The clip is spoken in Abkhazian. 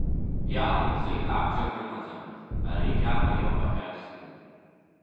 Иалухи, абџьар рымаӡам, ари Кьагәа иоп ашәақь зку.